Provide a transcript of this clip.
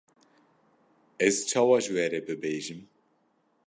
ez çawa ji we re bibêjim.